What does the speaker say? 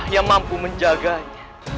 yang mampu menjaganya